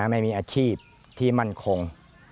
ไม่มีอาชีพที่มั่นคง